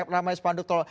ramai spanduk tol